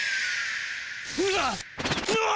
うわ！